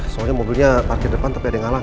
soalnya mobilnya parkir depan tapi ada yang ngalah